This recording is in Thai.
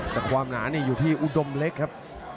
แต่ความหนานี่อยู่ที่อุดมเล็กครับ